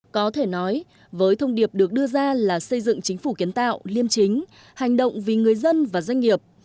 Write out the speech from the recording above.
có thể nói với thông điệp được đưa ra là xây dựng chính phủ kiến tạo liêm chính hành động vì người dân và doanh nghiệp